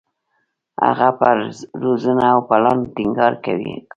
هغه پر روزنه او پلان ټینګار کاوه.